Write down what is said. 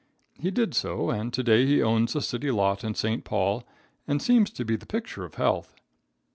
He did so, and to day he owns a city lot in St. Paul, and seems to be the picture of health.